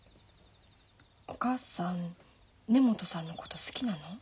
お母さん根本さんのこと好きなの？